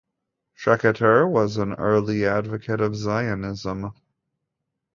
Schechter was an early advocate of Zionism.